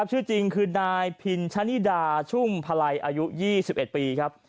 ชื่อจริงคือนายพินชะนิดาชุ่มพลัยอายุ๒๑ปีครับ